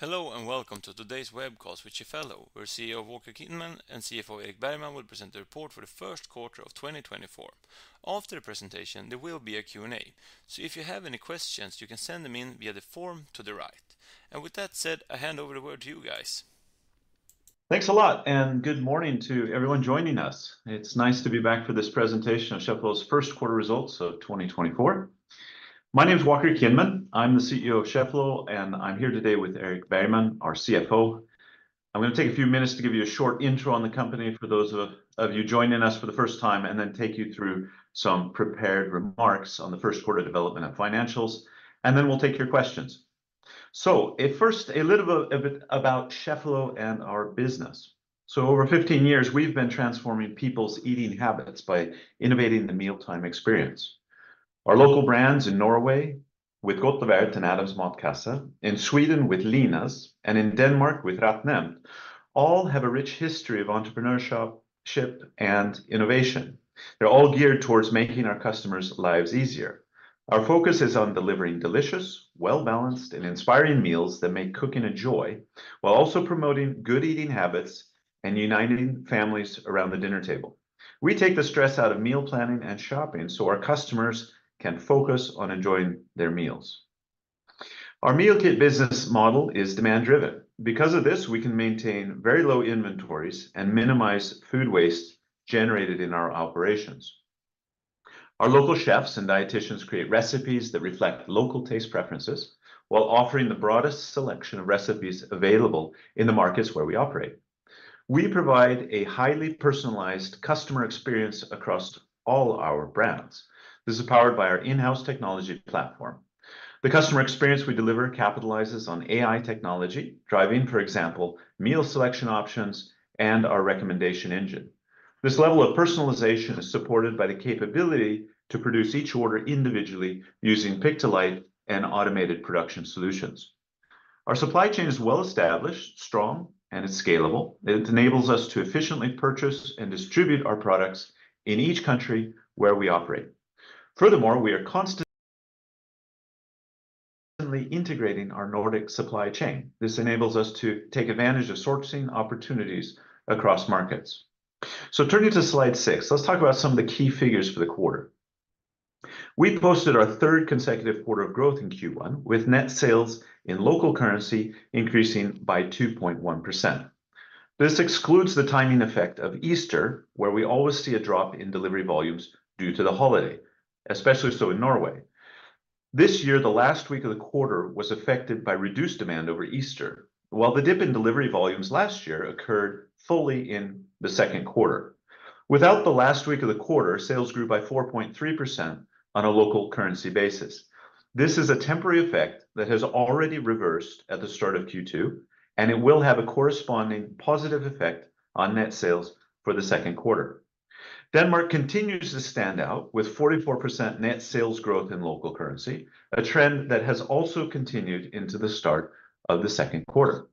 Hello, and welcome to today's webcast with Cheffelo, where CEO Walker Kinman and CFO Erik Bergman will present the report for the First Quarter of 2024. After the presentation, there will be a Q&A. So if you have any questions, you can send them in via the form to the right. And with that said, I hand over the word to you guys. Thanks a lot, and good morning to everyone joining us. It's nice to be back for this presentation of Cheffelo's First Quarter Results of 2024. My name is Walker Kinman. I'm the CEO of Cheffelo, and I'm here today with Erik Bergman, our CFO. I'm gonna take a few minutes to give you a short intro on the company for those of you joining us for the first time, and then take you through some prepared remarks on the first quarter development and financials, and then we'll take your questions. So at first, a little bit about Cheffelo and our business. So over 15 years, we've been transforming people's eating habits by innovating the mealtime experience. Our local brands in Norway, with GodtLevert and Adams Matkasse, in Sweden with Linas, and in Denmark with RetNemt, all have a rich history of entrepreneurship and innovation. They're all geared towards making our customers' lives easier. Our focus is on delivering delicious, well-balanced, and inspiring meals that make cooking a joy, while also promoting good eating habits and uniting families around the dinner table. We take the stress out of meal planning and shopping, so our customers can focus on enjoying their meals. Our meal kit business model is demand driven. Because of this, we can maintain very low inventories and minimize food waste generated in our operations. Our local chefs and dieticians create recipes that reflect local taste preferences while offering the broadest selection of recipes available in the markets where we operate. We provide a highly personalized customer experience across all our brands. This is powered by our in-house technology platform. The customer experience we deliver capitalizes on AI technology, driving, for example, meal selection options and our recommendation engine. This level of personalization is supported by the capability to produce each order individually using pick-to-light and automated production solutions. Our supply chain is well-established, strong, and it's scalable. It enables us to efficiently purchase and distribute our products in each country where we operate. Furthermore, we are constantly integrating our Nordic supply chain. This enables us to take advantage of sourcing opportunities across markets. So turning to slide six, let's talk about some of the key figures for the quarter. We posted our third consecutive quarter of growth in Q1, with net sales in local currency increasing by 2.1%. This excludes the timing effect of Easter, where we always see a drop in delivery volumes due to the holiday, especially so in Norway. This year, the last week of the quarter was affected by reduced demand over Easter, while the dip in delivery volumes last year occurred fully in the second quarter. Without the last week of the quarter, sales grew by 4.3% on a local currency basis. This is a temporary effect that has already reversed at the start of Q2, and it will have a corresponding positive effect on net sales for the second quarter. Denmark continues to stand out with 44% net sales growth in local currency, a trend that has also continued into the start of the second quarter.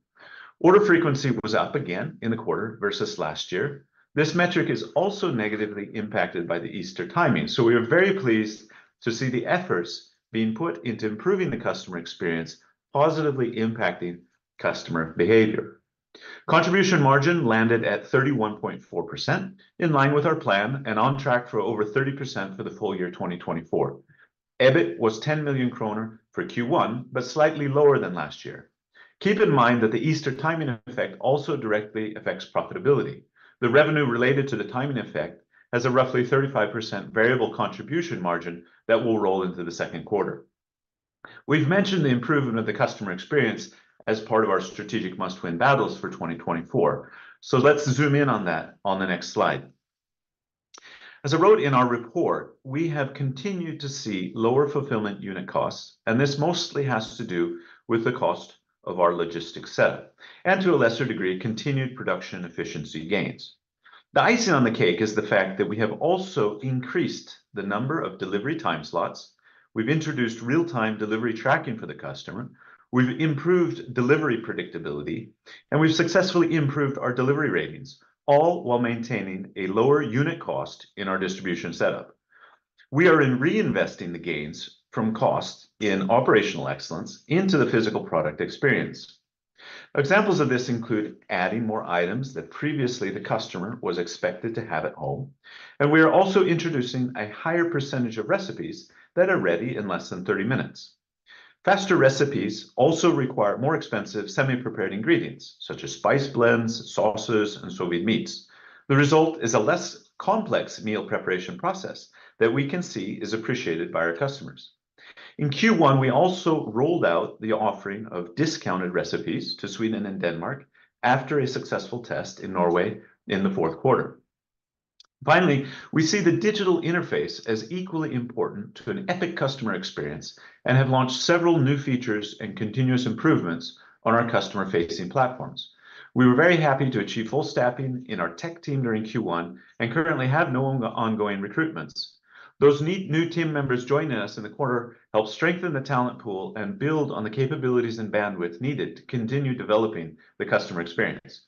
Order frequency was up again in the quarter versus last year. This metric is also negatively impacted by the Easter timing, so we are very pleased to see the efforts being put into improving the customer experience positively impacting customer behavior. Contribution margin landed at 31.4%, in line with our plan and on track for over 30% for the full year 2024. EBIT was 10 million kronor for Q1, but slightly lower than last year. Keep in mind that the Easter timing effect also directly affects profitability. The revenue related to the timing effect has a roughly 35% variable contribution margin that will roll into the second quarter. We've mentioned the improvement of the customer experience as part of our strategic must-win battles for 2024. So let's zoom in on that on the next slide. As I wrote in our report, we have continued to see lower fulfillment unit costs, and this mostly has to do with the cost of our logistics setup, and to a lesser degree, continued production efficiency gains. The icing on the cake is the fact that we have also increased the number of delivery time slots, we've introduced real-time delivery tracking for the customer, we've improved delivery predictability, and we've successfully improved our delivery ratings, all while maintaining a lower unit cost in our distribution setup. We are reinvesting the gains from costs in operational excellence into the physical product experience. Examples of this include adding more items that previously the customer was expected to have at home, and we are also introducing a higher percentage of recipes that are ready in less than 30 minutes. Faster recipes also require more expensive semi-prepared ingredients, such as spice blends, sauces, and soybean meats. The result is a less complex meal preparation process that we can see is appreciated by our customers. In Q1, we also rolled out the offering of discounted recipes to Sweden and Denmark after a successful test in Norway in the fourth quarter. Finally, we see the digital interface as equally important to an epic customer experience and have launched several new features and continuous improvements on our customer-facing platforms. We were very happy to achieve full staffing in our tech team during Q1 and currently have no ongoing recruitments. Those neat new team members joining us in the quarter helped strengthen the talent pool and build on the capabilities and bandwidth needed to continue developing the customer experience.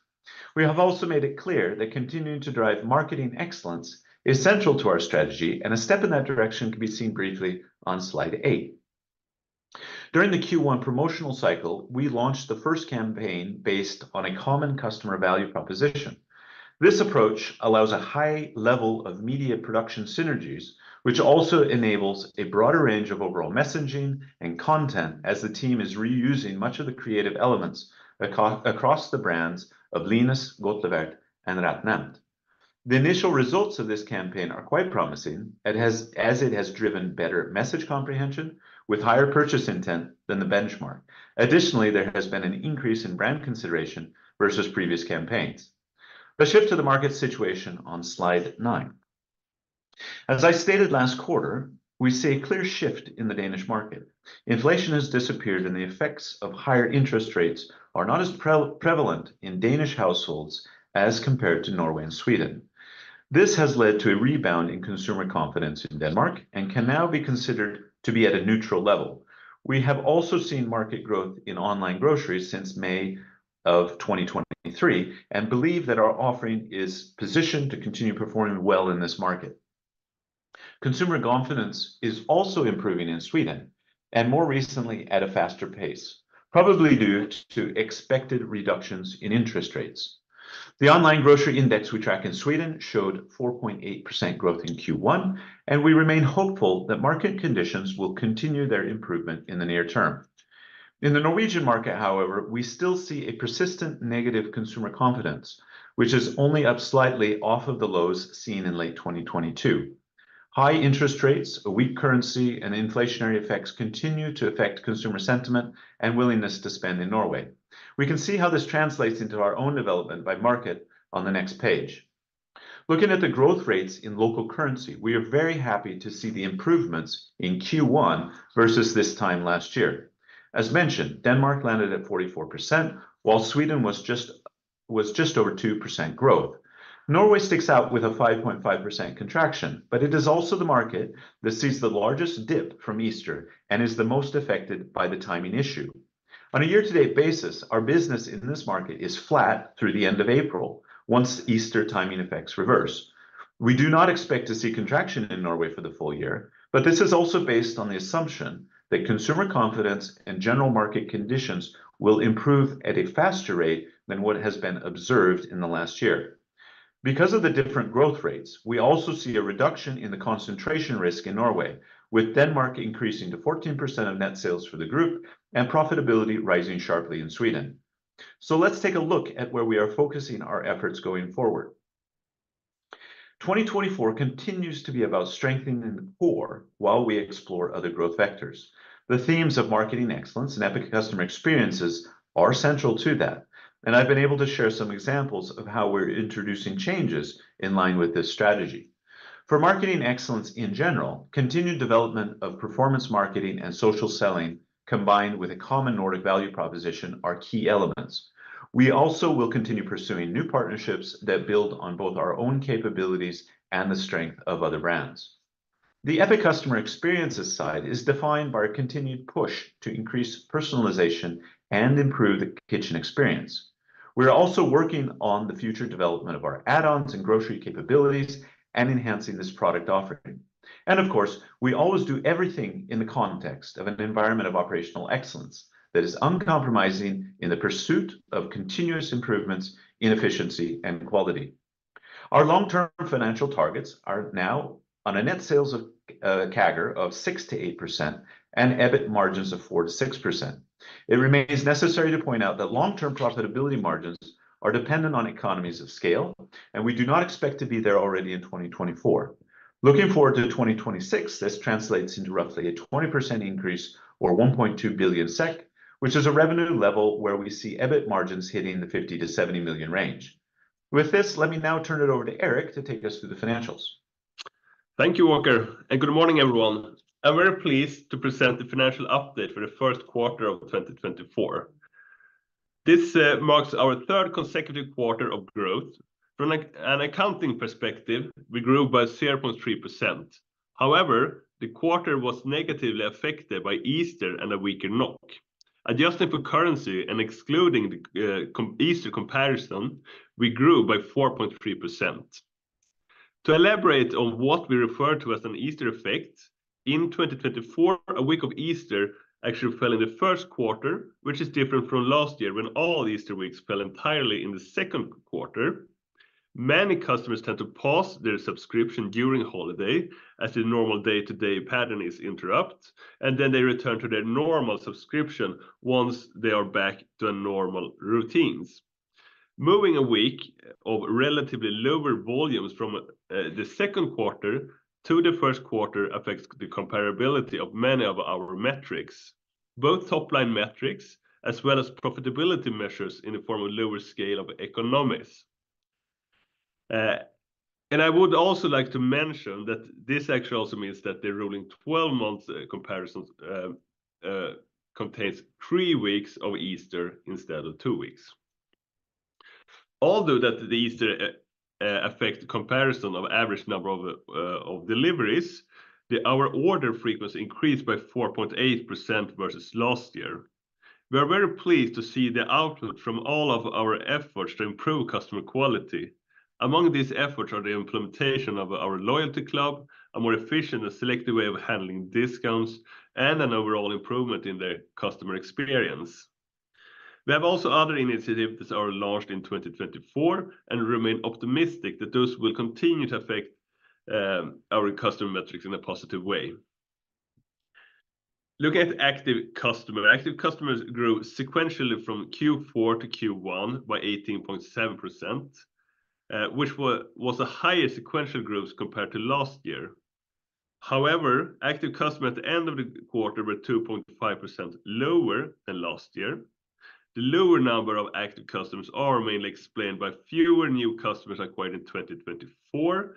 We have also made it clear that continuing to drive marketing excellence is central to our strategy, and a step in that direction can be seen briefly on slide eight. During the Q1 promotional cycle, we launched the first campaign based on a common customer value proposition. This approach allows a high level of media production synergies, which also enables a broader range of overall messaging and content as the team is reusing much of the creative elements across the brands of Linas, GodtLevert, and RetNemt. The initial results of this campaign are quite promising. It has driven better message comprehension with higher purchase intent than the benchmark. Additionally, there has been an increase in brand consideration versus previous campaigns. Let's shift to the market situation on slide 9. As I stated last quarter, we see a clear shift in the Danish market. Inflation has disappeared, and the effects of higher interest rates are not as prevalent in Danish households as compared to Norway and Sweden. This has led to a rebound in consumer confidence in Denmark and can now be considered to be at a neutral level. We have also seen market growth in online groceries since May of 2023 and believe that our offering is positioned to continue performing well in this market. Consumer confidence is also improving in Sweden, and more recently at a faster pace, probably due to expected reductions in interest rates. The online grocery index we track in Sweden showed 4.8% growth in Q1, and we remain hopeful that market conditions will continue their improvement in the near term. In the Norwegian market, however, we still see a persistent negative consumer confidence, which is only up slightly off of the lows seen in late 2022. High interest rates, a weak currency, and inflationary effects continue to affect consumer sentiment and willingness to spend in Norway. We can see how this translates into our own development by market on the next page. Looking at the growth rates in local currency, we are very happy to see the improvements in Q1 versus this time last year. As mentioned, Denmark landed at 44%, while Sweden was just over 2% growth. Norway sticks out with a 5.5% contraction, but it is also the market that sees the largest dip from Easter and is the most affected by the timing issue. On a year to date basis, our business in this market is flat through the end of April, once Easter timing effects reverse. We do not expect to see contraction in Norway for the full year, but this is also based on the assumption that consumer confidence and general market conditions will improve at a faster rate than what has been observed in the last year. Because of the different growth rates, we also see a reduction in the concentration risk in Norway, with Denmark increasing to 14% of net sales for the group and profitability rising sharply in Sweden. So let's take a look at where we are focusing our efforts going forward. 2024 continues to be about strengthening the core while we explore other growth vectors. The themes of marketing excellence and epic customer experiences are central to that, and I've been able to share some examples of how we're introducing changes in line with this strategy. For marketing excellence in general, continued development of performance marketing and social selling, combined with a common Nordic value proposition, are key elements. We also will continue pursuing new partnerships that build on both our own capabilities and the strength of other brands. The epic customer experiences side is defined by a continued push to increase personalization and improve the kitchen experience. We're also working on the future development of our add-ons and grocery capabilities and enhancing this product offering. And of course, we always do everything in the context of an environment of operational excellence that is uncompromising in the pursuit of continuous improvements in efficiency and quality. Our long term financial targets are now on a net sales CAGR of 6%-8% and EBIT margins of 4%-6%. It remains necessary to point out that long-term profitability margins are dependent on economies of scale, and we do not expect to be there already in 2024. Looking forward to 2026, this translates into roughly a 20% increase or 1.2 billion SEK, which is a revenue level where we see EBIT margins hitting the 50 million-70 million range. With this, let me now turn it over to Erik to take us through the financials. Thank you, Walker, and good morning, everyone. I'm very pleased to present the financial update for the first quarter of 2024. This marks our third consecutive quarter of growth. From an accounting perspective, we grew by 0.3%. However, the quarter was negatively affected by Easter and a weaker NOK. Adjusting for currency and excluding the Easter comparison, we grew by 4.3%. To elaborate on what we refer to as an Easter effect, in 2024, a week of Easter actually fell in the first quarter, which is different from last year, when all Easter weeks fell entirely in the second quarter. Many customers tend to pause their subscription during holiday, as their normal day-to-day pattern is interrupt, and then they return to their normal subscription once they are back to normal routines. Moving a week of relatively lower volumes from the second quarter to the first quarter affects the comparability of many of our metrics, both top line metrics, as well as profitability measures in the form of lower scale of economics. And I would also like to mention that this actually also means that the rolling twelve-month comparisons contains three weeks of Easter instead of two weeks. Although the Easter effect affects the comparison of average number of deliveries, our order frequency increased by 4.8% versus last year. We are very pleased to see the output from all of our efforts to improve customer quality. Among these efforts are the implementation of our loyalty club, a more efficient and selective way of handling discounts, and an overall improvement in the customer experience. We have also other initiatives that are launched in 2024, and remain optimistic that those will continue to affect our customer metrics in a positive way. Looking at active customer, active customers grew sequentially from Q4-Q1 by 18.7%, which was the highest sequential growth compared to last year. However, active customers at the end of the quarter were 2.5% lower than last year. The lower number of active customers are mainly explained by fewer new customers acquired in 2024.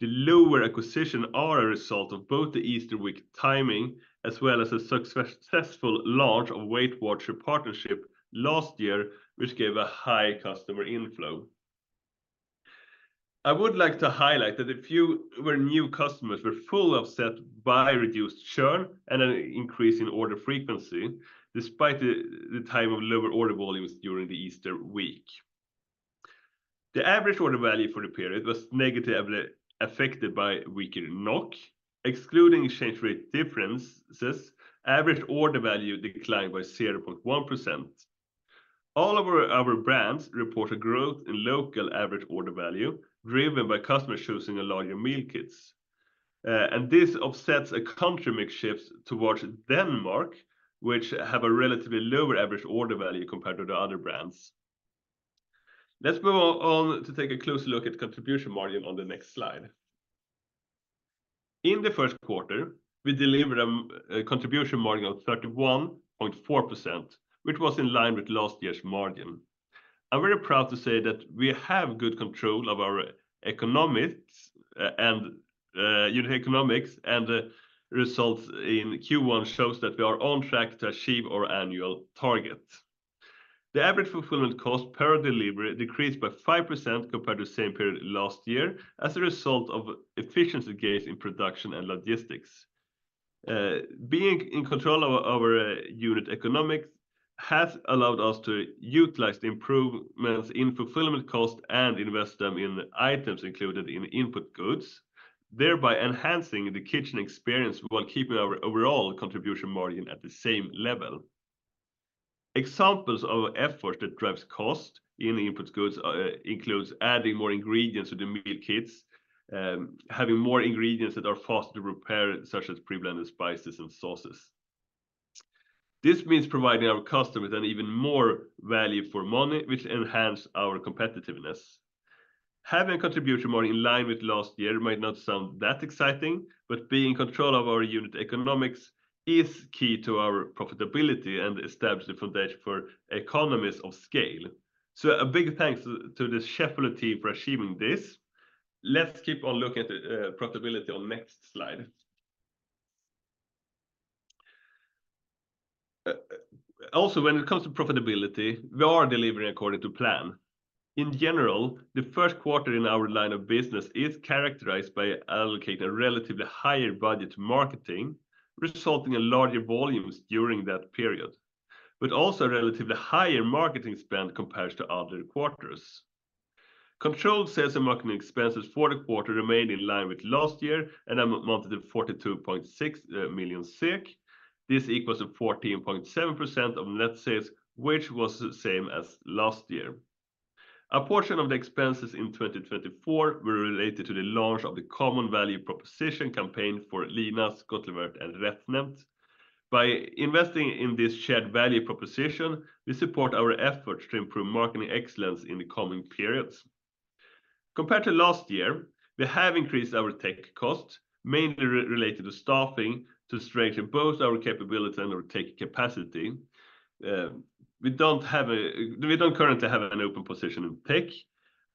The lower acquisition are a result of both the Easter week timing, as well as a successful launch of WeightWatchers partnership last year, which gave a high customer inflow. I would like to highlight that a few new customers were fully offset by reduced churn and an increase in order frequency, despite the time of lower order volumes during the Easter week. The average order value for the period was negatively affected by weaker NOK. Excluding exchange rate differences, average order value declined by 0.1%. All of our brands report a growth in local average order value, driven by customers choosing larger meal kits. And this offsets a country mix shift towards Denmark, which have a relatively lower average order value compared to the other brands. Let's move on to take a closer look at contribution margin on the next slide. In the first quarter, we delivered a contribution margin of 31.4%, which was in line with last year's margin I'm very proud to say that we have good control of our economics and unit economics, and the results in Q1 shows that we are on track to achieve our annual target. The average fulfillment cost per delivery decreased by 5% compared to the same period last year, as a result of efficiency gains in production and logistics. Being in control of our unit economics has allowed us to utilize the improvements in fulfillment costs and invest them in items included in input goods, thereby enhancing the kitchen experience while keeping our overall contribution margin at the same level. Examples of efforts that drives cost in input goods includes adding more ingredients to the meal kits, having more ingredients that are faster to prepare, such as pre-blended spices and sauces. This means providing our customers an even more value for money, which enhance our competitiveness. Having a contribution margin in line with last year might not sound that exciting, but being in control of our unit economics is key to our profitability and establish the foundation for economies of scale. So a big thanks to the Cheffelo team for achieving this. Let's keep on looking at the profitability on next slide. Also, when it comes to profitability, we are delivering according to plan. In general, the first quarter in our line of business is characterized by allocating a relatively higher budget to marketing, resulting in larger volumes during that period, but also a relatively higher marketing spend compared to other quarters. Controlled sales and marketing expenses for the quarter remained in line with last year and amounted to 42.6 million. This equals 14.7% of net sales, which was the same as last year. A portion of the expenses in 2024 were related to the launch of the common value proposition campaign for Linas, GodtLevert, and RetNemt. By investing in this shared value proposition, we support our efforts to improve marketing excellence in the coming periods. Compared to last year, we have increased our tech costs, mainly related to staffing, to strengthen both our capability and our tech capacity. We don't currently have an open position in tech.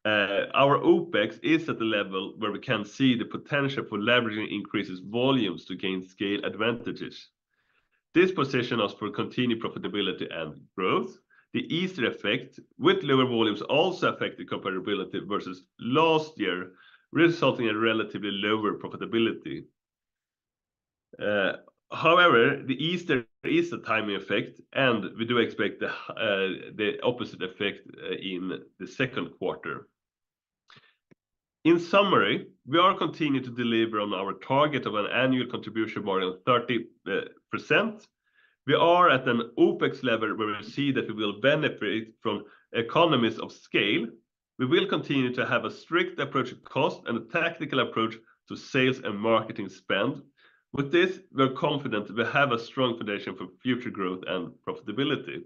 Our OpEx is at the level where we can see the potential for leveraging increases volumes to gain scale advantages. This positions us for continued profitability and growth. The Easter effect, with lower volumes, also affected comparability versus last year, resulting in relatively lower profitability. However, the Easter is a timing effect, and we do expect the opposite effect in the second quarter. In summary, we are continuing to deliver on our target of an annual contribution margin of 30%. We are at an OpEx level where we see that we will benefit from economies of scale. We will continue to have a strict approach to cost and a tactical approach to sales and marketing spend. With this, we're confident we have a strong foundation for future growth and profitability.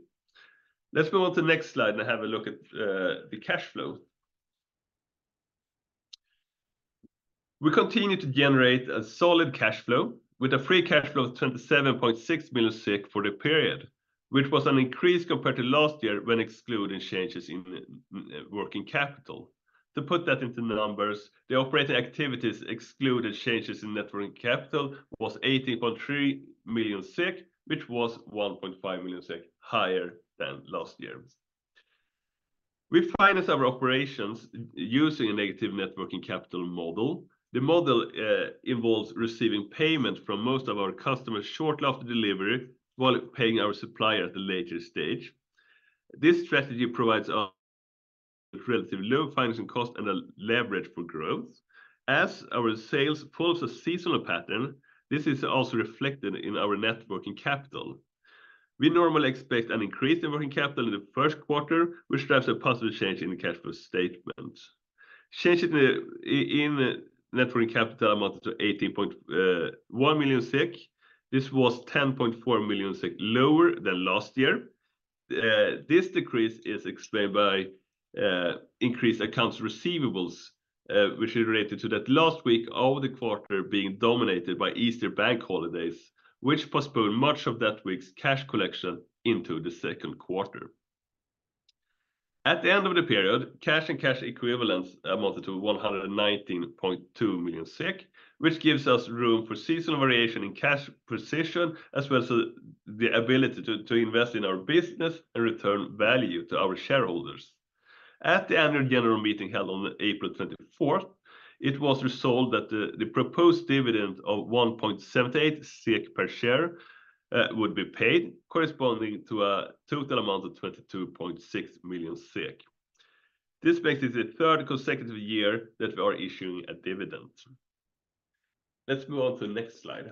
Let's go on to the next slide and have a look at the cash flow. We continue to generate a solid cash flow with a free cash flow of 27.6 million for the period, which was an increase compared to last year when excluding changes in working capital. To put that into numbers, the operating activities excluded changes in net working capital was 18.3 million SEK, which was 1.5 million SEK higher than last year. We finance our operations using a negative net working capital model. The model involves receiving payment from most of our customers shortly after delivery, while paying our supplier at a later stage. This strategy provides us with relatively low financing cost and a leverage for growth. As our sales follows a seasonal pattern, this is also reflected in our net working capital. We normally expect an increase in working capital in the first quarter, which drives a positive change in the cash flow statement. Change in the net working capital amounted to 18.1 million SEK. This was 10.4 million SEK lower than last year. This decrease is explained by increased accounts receivables, which is related to that last week of the quarter being dominated by Easter bank holidays, which postponed much of that week's cash collection into the second quarter. At the end of the period, cash and cash equivalents amounted to 119.2 million SEK, which gives us room for seasonal variation in cash position, as well as the ability to invest in our business and return value to our shareholders. At the annual general meeting held on April 24th, it was resolved that the proposed dividend of 1.78 SEK per share would be paid, corresponding to a total amount of 22.6 million SEK. This makes it the third consecutive year that we are issuing a dividend. Let's move on to the next slide.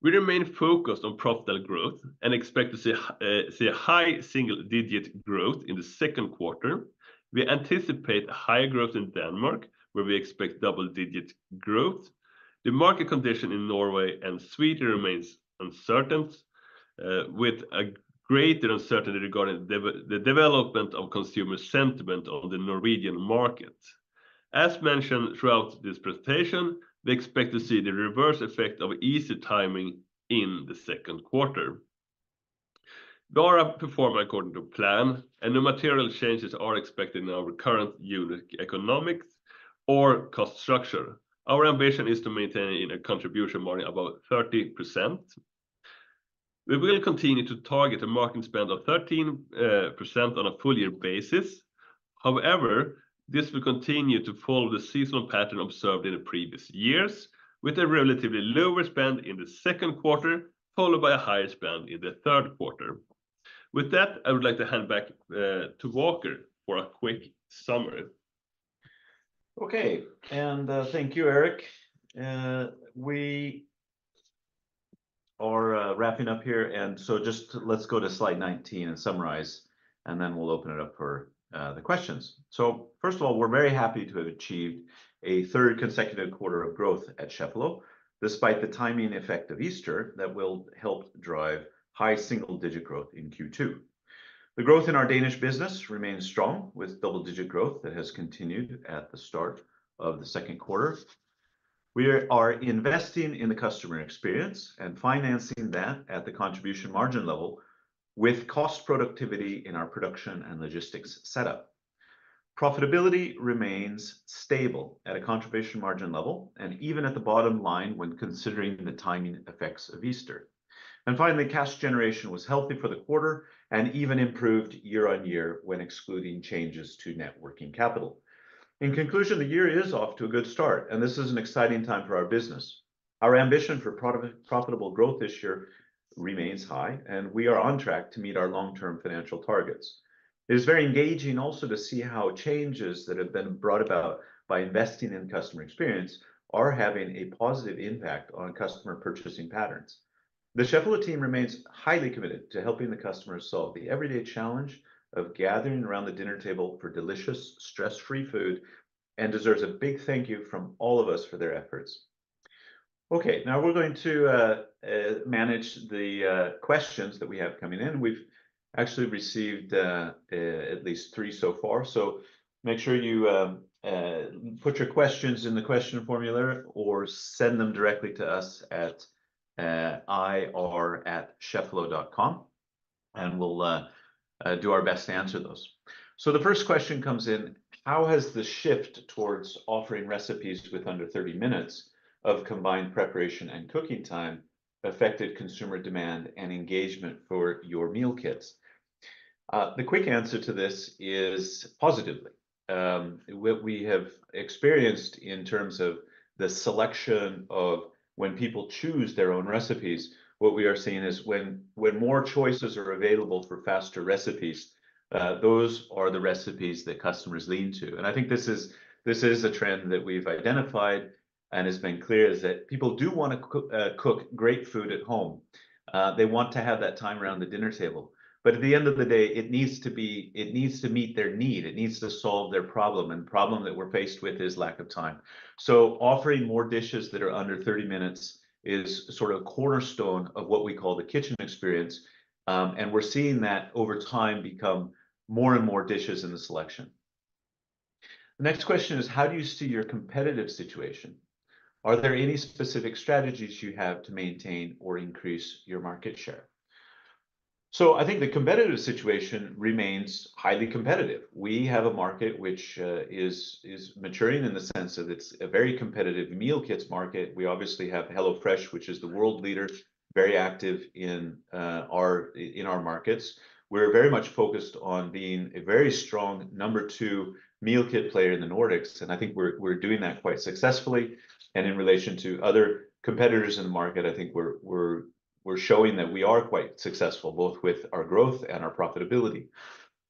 We remain focused on profitable growth and expect to see a high single-digit growth in the second quarter. We anticipate higher growth in Denmark, where we expect double-digit growth. The market condition in Norway and Sweden remains uncertain, with a greater uncertainty regarding the development of consumer sentiment on the Norwegian market. As mentioned throughout this presentation, we expect to see the reverse effect of Easter timing in the second quarter. DORA performed according to plan, and no material changes are expected in our current unit economics or cost structure. Our ambition is to maintain a contribution margin above 30%. We will continue to target a marketing spend of 13% on a full year basis. However, this will continue to follow the seasonal pattern observed in the previous years, with a relatively lower spend in the second quarter, followed by a higher spend in the third quarter. With that, I would like to hand back to Walker for a quick summary. Okay, and, thank you, Erik. We are, wrapping up here, and so just let's go to slide 19 and summarize, and then we'll open it up for, the questions. So first of all, we're very happy to have achieved a third consecutive quarter of growth at Cheffelo, despite the timing effect of Easter, that will help drive high single digit growth in Q2. The growth in our Danish business remains strong, with double-digit growth that has continued at the start of the second quarter. We are investing in the customer experience and financing that at the contribution margin level with cost productivity in our production and logistics setup. Profitability remains stable at a contribution margin level, and even at the bottom line when considering the timing effects of Easter. And finally, cash generation was healthy for the quarter and even improved year on year when excluding changes to net working capital. In conclusion, the year is off to a good start, and this is an exciting time for our business. Our ambition for profitable growth this year remains high, and we are on track to meet our long-term financial targets. It is very engaging also to see how changes that have been brought about by investing in customer experience are having a positive impact on customer purchasing patterns. The Cheffelo team remains highly committed to helping the customer solve the everyday challenge of gathering around the dinner table for delicious, stress-free food, and deserves a big thank you from all of us for their efforts. Okay, now we're going to manage the questions that we have coming in. We've actually received at least three so far, so make sure you put your questions in the question formulary or send them directly to us at ir@cheffelo.com, and we'll do our best to answer those. So the first question comes in: How has the shift towards offering recipes with under thirty minutes of combined preparation and cooking time affected consumer demand and engagement for your meal kits? The quick answer to this is positively. What we have experienced in terms of the selection of when people choose their own recipes, what we are seeing is when more choices are available for faster recipes, those are the recipes that customers lean to. And I think this is a trend that we've identified, and it's been clear is that people do wanna cook great food at home. They want to have that time around the dinner table. But at the end of the day, it needs to be... it needs to meet their need. It needs to solve their problem, and the problem that we're faced with is lack of time. So offering more dishes that are under 30 minutes is sort of a cornerstone of what we call the kitchen experience, and we're seeing that, over time, become more and more dishes in the selection. The next question is: How do you see your competitive situation? Are there any specific strategies you have to maintain or increase your market share? So I think the competitive situation remains highly competitive. We have a market which, is maturing in the sense that it's a very competitive meal kits market. We obviously have HelloFresh, which is the world leader, very active in our markets. We're very much focused on being a very strong number two meal kit player in the Nordics, and I think we're doing that quite successfully. In relation to other competitors in the market, I think we're showing that we are quite successful, both with our growth and our profitability.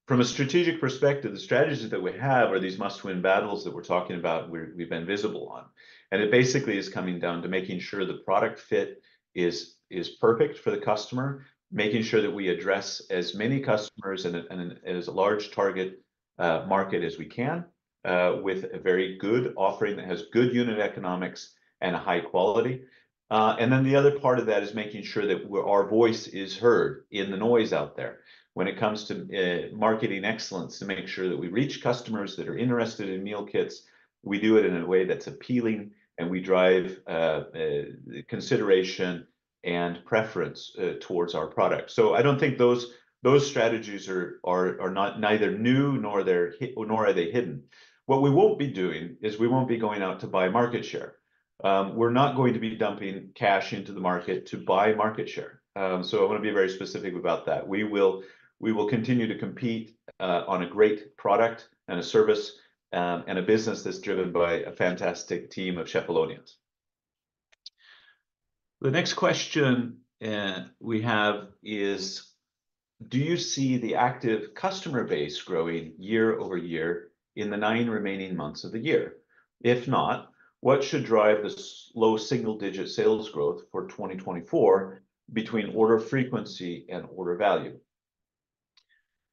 From a strategic perspective, the strategies that we have are these must-win battles that we're talking about, we've been visible on. It basically is coming down to making sure the product fit is perfect for the customer, making sure that we address as many customers and as a large target market as we can, with a very good offering that has good unit economics and a high quality. And then the other part of that is making sure that our voice is heard in the noise out there. When it comes to marketing excellence, to make sure that we reach customers that are interested in meal kits, we do it in a way that's appealing, and we drive consideration and preference towards our product. So I don't think those strategies are not neither new, nor are they hidden. What we won't be doing is we won't be going out to buy market share. We're not going to be dumping cash into the market to buy market share. So I'm gonna be very specific about that. We will continue to compete on a great product and a service, and a business that's driven by a fantastic team of Cheffelonians. The next question we have is: Do you see the active customer base growing year-over-year in the nine remaining months of the year? If not, what should drive this low single-digit sales growth for 2024 between order frequency and order value?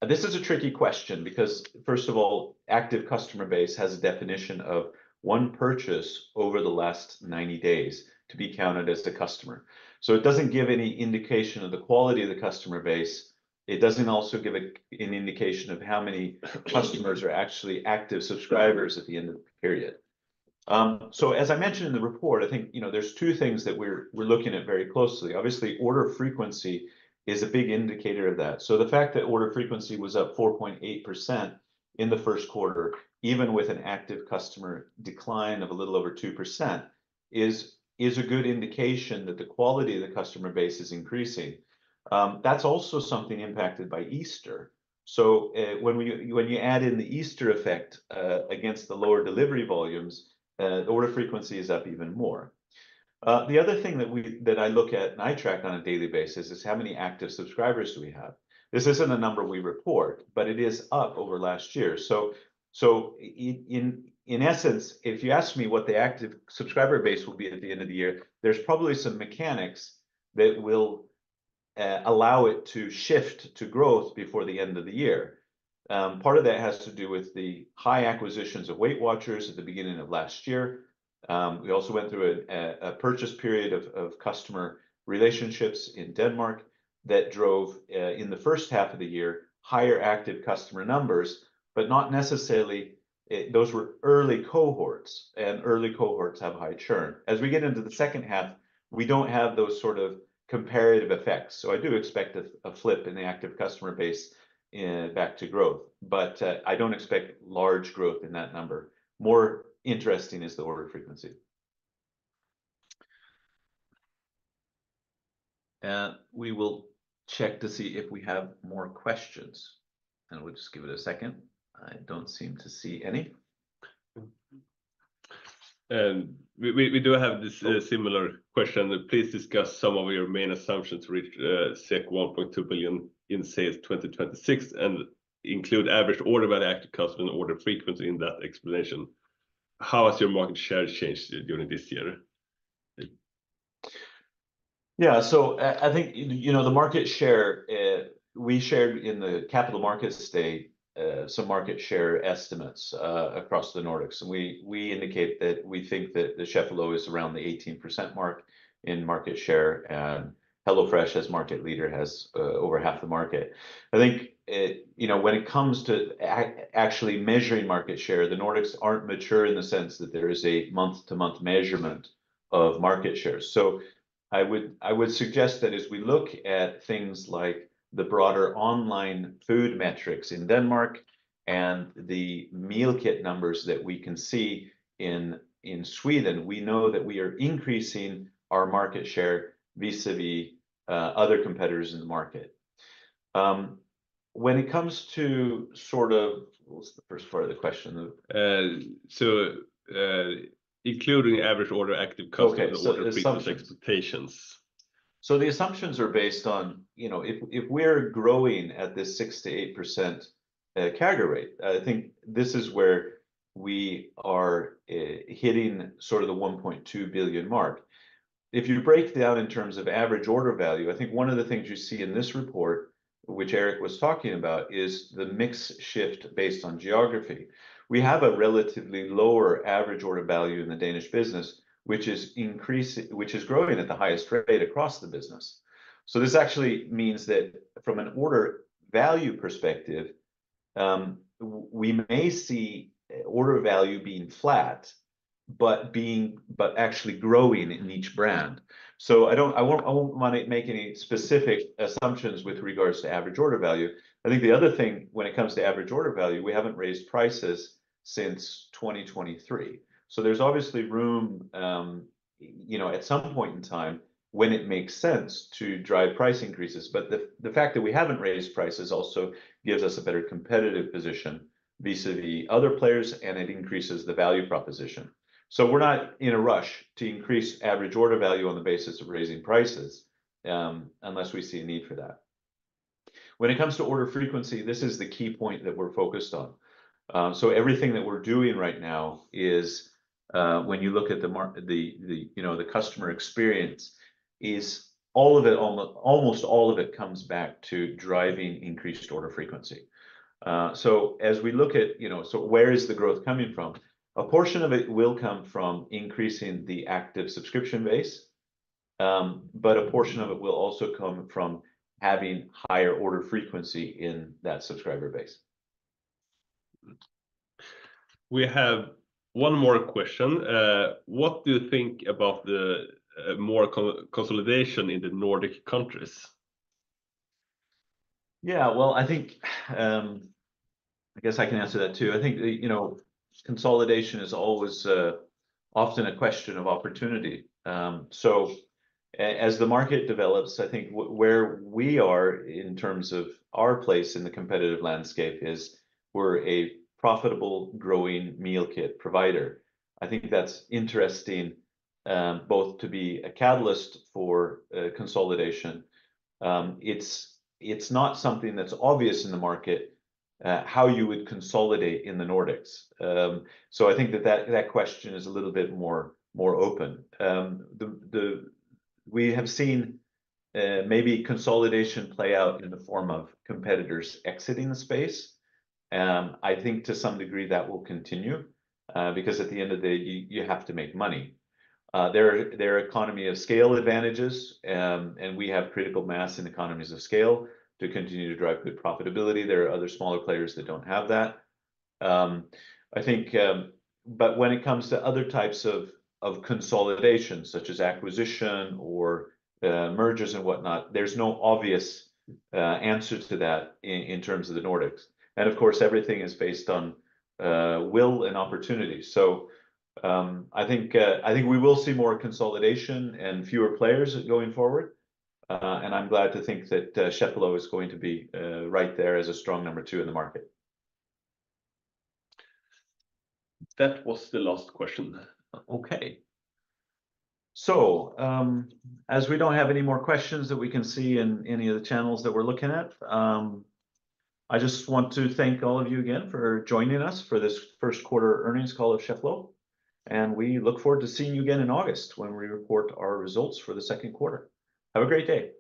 This is a tricky question because, first of all, active customer base has a definition of one purchase over the last 90 days to be counted as the customer. So it doesn't give any indication of the quality of the customer base. It doesn't also give an indication of how many customers are actually active subscribers at the end of the period. So as I mentioned in the report, I think, you know, there's two things that we're looking at very closely. Obviously, order frequency is a big indicator of that. So the fact that order frequency was up 4.8% in the first quarter, even with an active customer decline of a little over 2%, is a good indication that the quality of the customer base is increasing. That's also something impacted by Easter. So, when you add in the Easter effect, against the lower delivery volumes, the order frequency is up even more. The other thing that I look at and I track on a daily basis is how many active subscribers do we have? This isn't a number we report, but it is up over last year. So, in essence, if you asked me what the active subscriber base will be at the end of the year, there's probably some mechanics that will allow it to shift to growth before the end of the year. Part of that has to do with the high acquisitions of Weight Watchers at the beginning of last year. We also went through a purchase period of customer relationships in Denmark that drove in the first half of the year, higher active customer numbers, but not necessarily. Those were early cohorts, and early cohorts have high churn. As we get into the second half, we don't have those sort of comparative effects, so I do expect a flip in the active customer base back to growth. But I don't expect large growth in that number. More interesting is the order frequency. And we will check to see if we have more questions, and we'll just give it a second. I don't seem to see any. We do have this similar question, that please discuss some of your main assumptions to reach 1.2 billion in sales 2026, and include average order by active customer and order frequency in that explanation. How has your market share changed during this year? Yeah, so, I think, you know, the market share, we shared in the capital markets today, some market share estimates, across the Nordics. And we indicate that we think that the Cheffelo is around the 18% mark in market share, and HelloFresh, as market leader, has, over half the market. I think, it... You know, when it comes to actually measuring market share, the Nordics aren't mature in the sense that there is a month to month measurement of market share. So I would suggest that as we look at things like the broader online food metrics in Denmark, and the meal kit numbers that we can see in Sweden, we know that we are increasing our market share vis-à-vis, other competitors in the market. When it comes to, sort of... What was the first part of the question? So, including average order, active customers- Okay, so the assumptions- Order frequency expectations. So the assumptions are based on, you know, if we're growing at this 6%-8% category, I think this is where we are hitting sort of the 1.2 billion mark. If you break that down in terms of average order value, I think one of the things you see in this report, which Erik was talking about, is the mix shift based on geography. We have a relatively lower average order value in the Danish business, which is growing at the highest rate across the business. So this actually means that from an order value perspective we may see order value being flat, but actually growing in each brand. So I don't, I won't wanna make any specific assumptions with regards to average order value. I think the other thing, when it comes to average order value, we haven't raised prices since 2023. So there's obviously room, you know, at some point in time, when it makes sense to drive price increases. But the fact that we haven't raised prices also gives us a better competitive position vis-à-vis other players, and it increases the value proposition. So we're not in a rush to increase average order value on the basis of raising prices, unless we see a need for that. When it comes to order frequency, this is the key point that we're focused on. So everything that we're doing right now is, when you look at the market, you know, the customer experience, is all of it, almost all of it comes back to driving increased order frequency. As we look at, you know, so where is the growth coming from? A portion of it will come from increasing the active subscription base, but a portion of it will also come from having higher order frequency in that subscriber base. We have one more question. What do you think about the more consolidation in the Nordic countries? Yeah, well, I think, I guess I can answer that, too. I think, you know, consolidation is always, often a question of opportunity. So as the market develops, I think where we are in terms of our place in the competitive landscape is, we're a profitable, growing meal kit provider. I think that's interesting, both to be a catalyst for, consolidation. It's not something that's obvious in the market, how you would consolidate in the Nordics. So I think that question is a little bit more open. We have seen, maybe consolidation play out in the form of competitors exiting the space, and I think to some degree that will continue, because at the end of the day, you have to make money. There are economy of scale advantages, and we have critical mass and economies of scale to continue to drive good profitability. There are other smaller players that don't have that. I think, but when it comes to other types of consolidation, such as acquisition or mergers and whatnot, there's no obvious answer to that in terms of the Nordics. And of course, everything is based on will and opportunity. So, I think we will see more consolidation and fewer players going forward, and I'm glad to think that Cheffelo is going to be right there as a strong number two in the market. That was the last question. Okay. So, as we don't have any more questions that we can see in any of the channels that we're looking at, I just want to thank all of you again for joining us for this first quarter earnings call at Cheffelo, and we look forward to seeing you again in August, when we report our results for the second quarter. Have a great day!